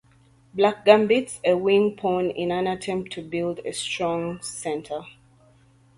Black gambits a wing pawn in an attempt to build a strong centre.